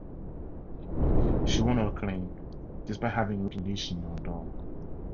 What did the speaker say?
She won her claim, despite having lost the case of not leashing her dog.